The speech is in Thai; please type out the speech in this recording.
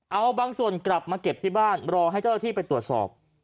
เอาบางส่วนกลับมาเก็บที่บ้านรอให้เจ้าที่ไปตรวจสอบ